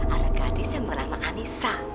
ada gadis yang bernama anissa